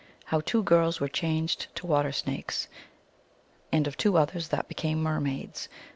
How Two Girls were changed to Water Snakes, and of Two Others that became Mermaids.